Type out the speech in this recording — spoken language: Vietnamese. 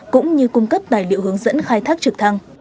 cũng như cung cấp tài liệu hướng dẫn khai thác trực thăng